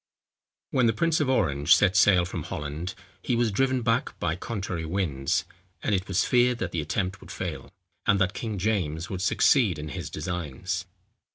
When the prince of Orange set sail from Holland, he was driven back by contrary winds; and it was feared that the attempt would fail, and that King James would succeed in his designs.